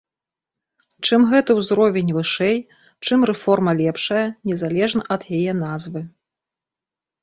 Чым гэты ўзровень вышэй, чым рэформа лепшая, незалежна ад яе назвы.